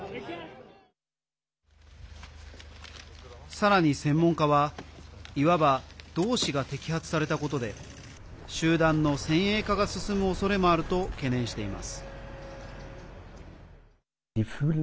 さらに専門家はいわば、同士が摘発されたことで集団の先鋭化が進むおそれもあると懸念しています。